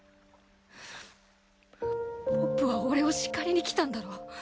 ポップは俺を叱りにきたんだろ。